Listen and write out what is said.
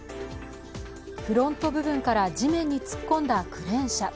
フロント部分から地面に突っ込んだクレーン車。